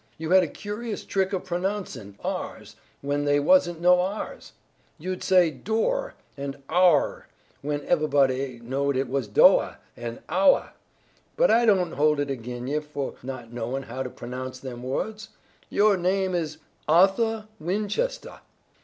You had a curious trick of pronouncin' r's when they wasn't no r's. You'd say door, an' hour, when ev'body knowed it was doah, an' houah, but I don't hold it ag'in you fo' not knowin' how to pronounce them wo'ds. Yoh name is Ahthuh Winchestuh."